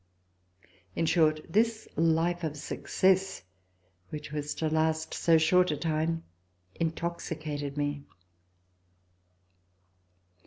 In short, this life of success, which was to last so short a time, intoxicated me.